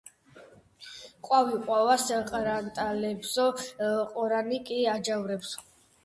ყვავი ყვა-ყვას ყრანტალებსო, ყორანი კი აჯავრებსო